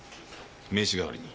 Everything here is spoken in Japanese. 名刺代わりに。